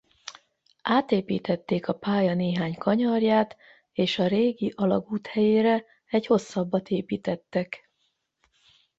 Átépítették a pálya néhány kanyarját és a régi alagút helyére egy hosszabbat építettek.